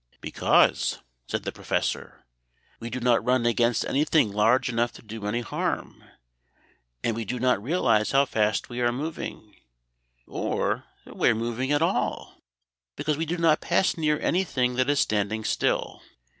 "Because," said the Professor, "we do not run against anything large enough to do any harm; and we do not realize how fast we are moving, or that we are moving at all, because we do not pass near anything that is standing still.